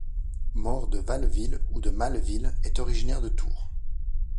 Maur de Valleville ou de Malleville est originaire de Tours.